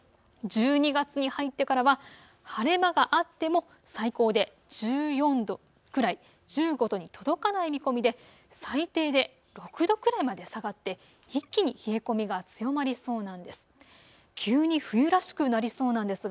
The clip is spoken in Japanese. １２月に入ってからは晴れ間があっても最高で１４度くらい、１５度に届かない見込みで最低で６度くらいまで下がって一気に冷え込みが強まりそうなんです。